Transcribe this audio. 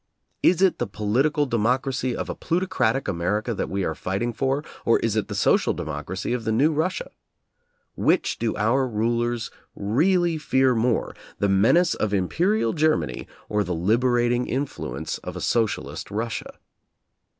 Is it the political democracy of a plutocratic America that we are fighting for, or is it the social democracy of the new Russia? Which do our rulers really fear more, the menace of Imperial Germany, or the liberating influence of a socialist Russia.